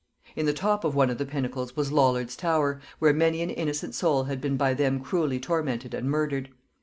In the top of one of the pinnacles was Lollards' Tower, where many an innocent soul had been by them cruelly tormented and murdered.